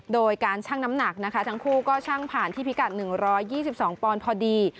โดยการชั่งน้ำหนักนะคะทั้งคู่ก็ช่างผ่านที่พิกัด๑๒๒ปอนด์พอดี